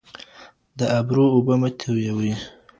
د ابرو اوبه مه تویوئ.